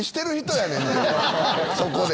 そこで。